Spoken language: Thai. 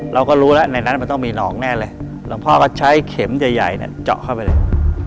เราก็รู้แล้วในนั้นมันต้องมีหนองแน่เลยหลวงพ่อก็ใช้เข็มใหญ่เนี่ยเจาะเข้าไปเลย